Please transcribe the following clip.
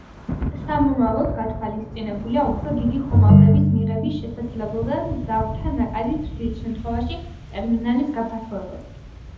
სამომავლოდ გათვალისწინებულია უფრო დიდი ხომალდების მიღების შესაძლებლობა და მგზავრთა ნაკადის ზრდის შემთხვევაში, ტერმინალის გაფართოებაც.